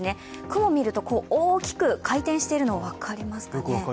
雲を見ると大きく回転しているのが分かりますかね。